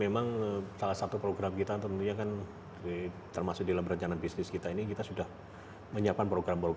mungkin bisa cerita sedikit karena ini merupakan betul betul kawasan yang sentral